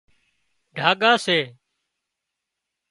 ڍاڳا سي